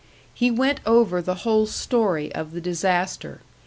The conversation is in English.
He went over the whole story of the disaster.